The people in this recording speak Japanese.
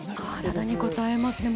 体にこたえますね。